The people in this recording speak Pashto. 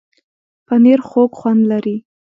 پنېر خوږ خوند لري.